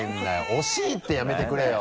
惜しい！ってやめてくれよ。